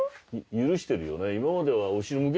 許してるよね。